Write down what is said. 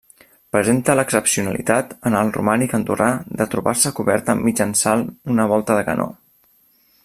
Presenta l'excepcionalitat en el romànic andorrà de trobar-se coberta mitjançant una volta de canó.